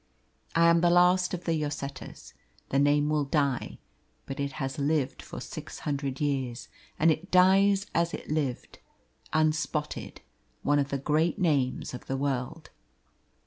I am the last of the Llosetas. The name will die, but it has lived for six hundred years, and it dies as it lived unspotted one of the great names of the world."